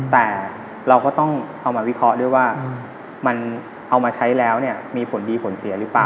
แต่เราก็ต้องเอามาวิเคราะห์ด้วยว่ามันเอามาใช้แล้วเนี่ยมีผลดีผลเสียหรือเปล่า